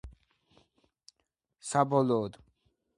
საბოლოოდ, საურონი შუახმელეთში დაიმალა.